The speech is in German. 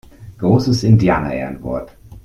Großes Indianerehrenwort!